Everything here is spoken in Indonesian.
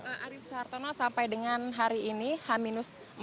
pak arief suhartono sampai dengan hari ini h empat lebaran ya pak